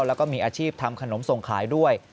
แล้วก็มีอาชีพทำขนมส่งขายด้วย